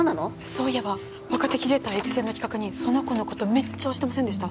そういえば若手キュレーター育成の企画にその子のことめっちゃ推してませんでした？